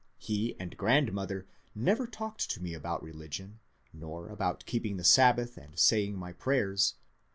He and grandmother never talked to me about religion, nor about keeping the Sabbath and saying my prayers.